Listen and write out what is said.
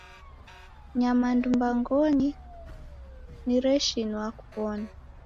Nyamandu mbaghonyi nireshinua kuwona.